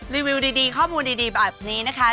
รีวิวดีข้อมูลดีแบบนี้นะคะ